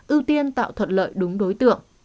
ưu tiên tạo thuận lợi đúng đối tượng